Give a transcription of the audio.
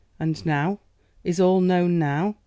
'And now, is all known now?